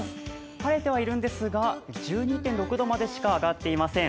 晴れてはいるんですが１２．６度までしか上がっていません。